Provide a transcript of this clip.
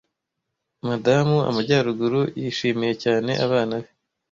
Madamu Amajyaruguru yishimiye cyane abana be.